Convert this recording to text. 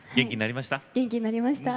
元気になりました。